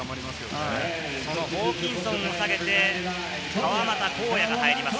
そのホーキンソンを下げて、川真田紘也が入ります。